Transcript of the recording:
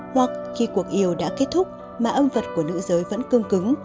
hoặc khi cuộc yêu đã kết thúc mà âm vật của nữ giới vẫn cương cứng